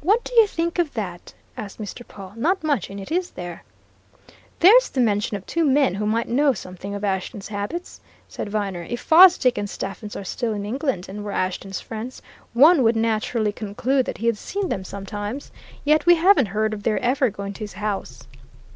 "What do you think of that?" asked Mr. Pawle. "Not much in it, is there?" "There's the mention of two men who might know something of Ashton's habits," said Viner. "If Fosdick and Stephens are still in England and were Ashton's friends, one would naturally conclude that he'd seen them sometimes. Yet we haven't heard of their ever going to his house."